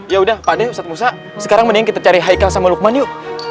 ya udah pak deh ustadz musa sekarang mending kita cari haikal sama lukman yuk